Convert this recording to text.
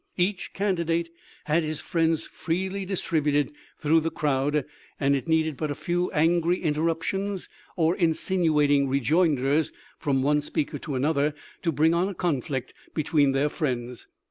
Each candidate had his friends freely distributed through the crowd, and it needed but a few angry interruptions or insinuating rejoinders from one speaker to another to bring on a conflict between their friends.